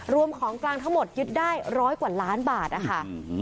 ของกลางทั้งหมดยึดได้ร้อยกว่าล้านบาทนะคะ